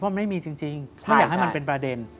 เพราะไม่มีจริงไม่อยากให้มันเป็นประเด็น